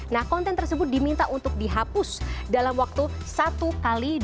nah konten tersebut diminta untuk dihapus dalam waktu satu x dua puluh empat jam setelah pesan diterima